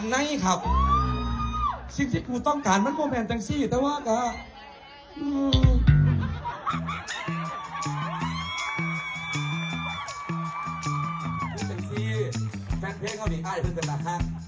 คุณเต็มซี่แฟนเพลงเขาดีกว่าไอ้เพื่อนกันนะครับ